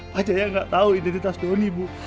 pak jayadeh gak tau identitas doni bu